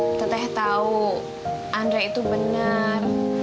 nanti teteh tahu andre itu benar